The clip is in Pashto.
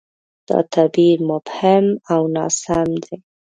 دا تعبیر مبهم او ناسم دی.